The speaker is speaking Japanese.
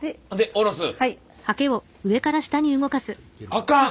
あかん！